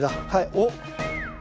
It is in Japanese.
おっ。